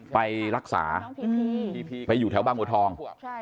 ไปรักษาไปอยู่แถวบางบัวทอง